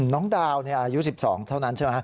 น้องดาวอายุ๑๒เท่านั้นใช่ไหม